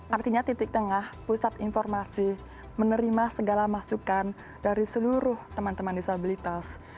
artinya titik tengah pusat informasi menerima segala masukan dari seluruh teman teman disabilitas